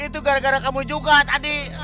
itu gara gara kamu juga tadi